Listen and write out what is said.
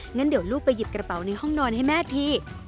งั้นเดี๋ยวลูกไปหยิบกระเป๋าในห้องนอนให้แม่ที